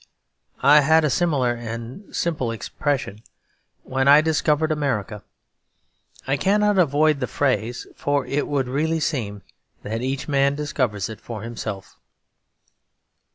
I had a similar and simple impression when I discovered America. I cannot avoid the phrase; for it would really seem that each man discovers it for himself.